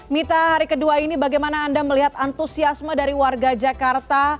mita hari kedua ini bagaimana anda melihat antusiasme dari warga jakarta